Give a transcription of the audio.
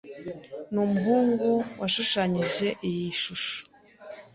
Numuhungu washushanyije iyi shusho.